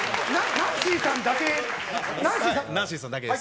ナンシーさんだけです。